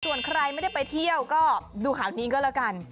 ส่วนใครไม่ได้ไปเที่ยวก็ดูข่าวนี้ก็แล้วกัน